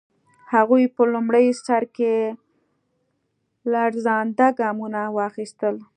هغوی په لومړي سر کې لړزانده ګامونه واخیستل.